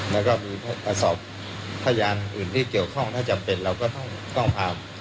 แล้วก็มีกระสอบพยานอื่นที่เกี่ยวข้องถ้าจำเป็นเราก็ต้องเอา